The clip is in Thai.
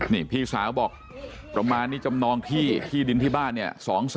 นี่พี่สาวบอกประมาณนี้จำนองที่ที่ดินที่บ้านเนี่ย